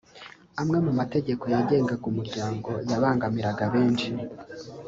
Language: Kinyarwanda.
Amwe mu mategeko yagengaga umuryango yabangamiraga benshi